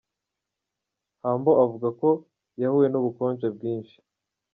Humble avuga ko yahuye n’ubukonje bwinshi.